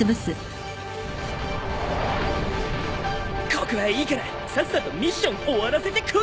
ここはいいからさっさとミッション終わらせてこい。